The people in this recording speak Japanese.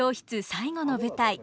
最後の舞台。